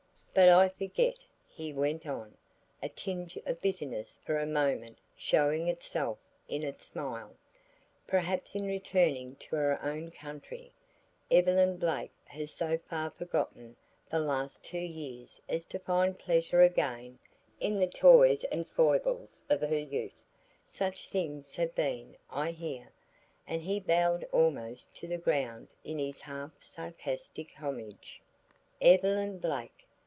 "But I forget," he went on, a tinge of bitterness for a moment showing itself in his smile: "perhaps in returning to her own country, Evelyn Blake has so far forgotten the last two years as to find pleasure again in the toys and foibles of her youth. Such things have been, I hear." And he bowed almost to the ground in his half sarcastic homage. "Evelyn Blake!